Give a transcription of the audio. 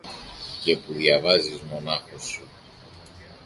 και που θα διαβάζεις μονάχος σου.